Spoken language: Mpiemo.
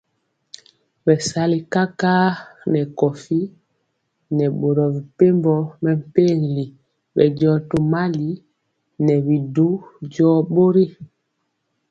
Bɛsali kakar nɛ kowi nɛ boro mepempɔ mɛmpegi bɛndiɔ tomali nɛ bi du jɔɔ bori.